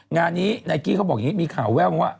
งานนี้ไนกี้เขาบอกอย่างนี้มีข่าวแววมาว่า